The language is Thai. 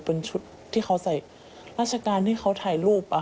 เป็นชุดที่เขาใส่ราชการที่เขาถ่ายรูป